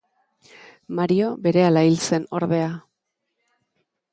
Mario berehala hil zen ordea.